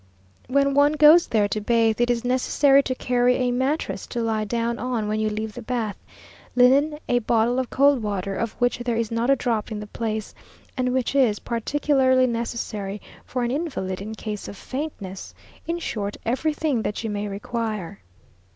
When one goes there to bathe, it is necessary to carry a mattress, to lie down on when you leave the bath, linen, a bottle of cold water, of which there is not a drop in the place, and which is particularly necessary for an invalid in case of faintness in short everything that you may require.